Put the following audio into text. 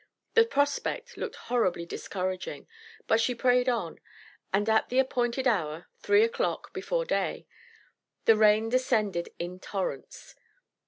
The prospect looked horribly discouraging; but she prayed on, and at the appointed hour (three o'clock before day), the rain descended in torrents.